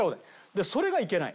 でそれがいけないの。